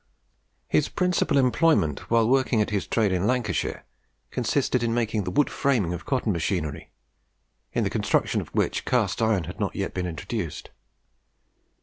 His principal employment, while working at his trade in Lancashire, consisted in making the wood framing of cotton machinery, in the construction of which cast iron had not yet been introduced.